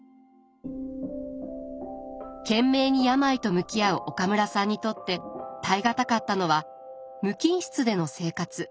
懸命に病と向き合う岡村さんにとって耐え難かったのは無菌室での生活。